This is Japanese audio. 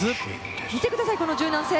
見てくださいこの柔軟性！